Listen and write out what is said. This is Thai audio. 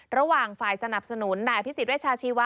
ระหว่างฝ่ายสนับสนุนนายอภิษฎเวชาชีวะ